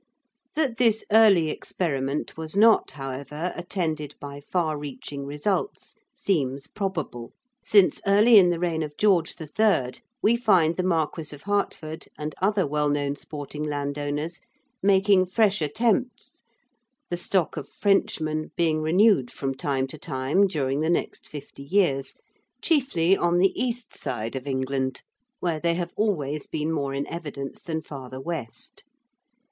That this early experiment was not, however, attended by far reaching results seems probable, since early in the reign of George III we find the Marquis of Hertford and other well known sporting landowners making fresh attempts, the stock of "Frenchmen" being renewed from time to time during the next fifty years, chiefly on the east side of England, where they have always been more in evidence than farther west.